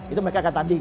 itu mereka akan tanding